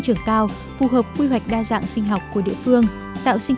đấy theo cái con mình